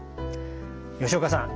吉岡さん